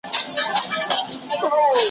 زه اوږده وخت سبزیحات خورم؟